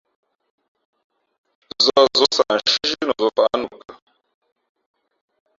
Zᾱh zǒ sah nshʉ́ά zhínu zǒ faʼá nǔkα ?